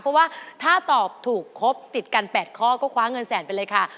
เพราะว่าถ้าตอบถูกครบติดกัน๘ข้อก็คว้าเงินแสนไปเลยค่ะ